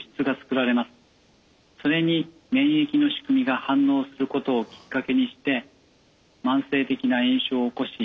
それに免疫の仕組みが反応することをきっかけにして慢性的な炎症を起こし